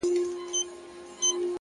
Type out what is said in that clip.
• ژړا ـ سلگۍ زما د ژوند د تسلسل نښه ده ـ